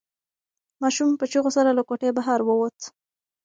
ماشوم په چیغو سره له کوټې بهر ووت.